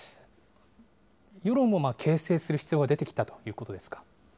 世論も形成する必要が出てきたということですか。